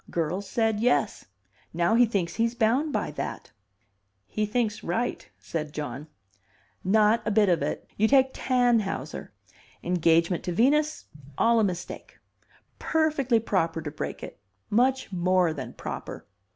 Girl's said yes. Now he thinks he's bound by that." "He thinks right," said John. "Not a bit of it. You take Tannhauser. Engagement to Venus all a mistake. Perfectly proper to break it. Much more than proper.